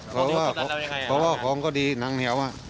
เขาว่าของก็ดีนางเหนียวอะ